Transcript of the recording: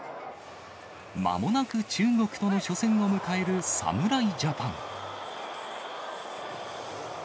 まもなく中国との初戦を迎える侍ジャパン。